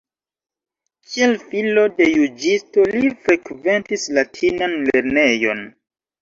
Kiel filo de juĝisto li frekventis latinan lernejon.